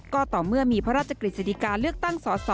ก็ต่อเมื่อมีพระราชกฤษฎิกาเลือกตั้งสอสอ